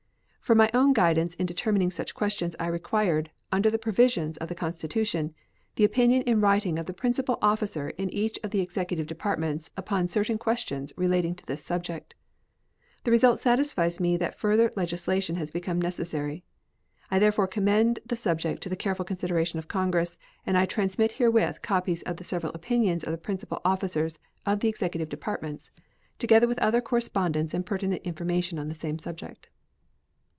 For my own guidance in determining such questions I required (under the provisions of the Constitution) the opinion in writing of the principal officer in each of the Executive Departments upon certain questions relating to this subject. The result satisfies me that further legislation has become necessary. I therefore commend the subject to the careful consideration of Congress, and I transmit herewith copies of the several opinions of the principal officers of the Executive Departments, together with other correspondence and pertinent information on the same subject.